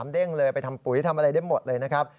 เด้งเลยไปทำปุ๋ยทำอะไรได้หมดเลยนะครับ